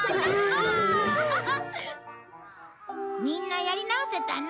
みんなやり直せたね。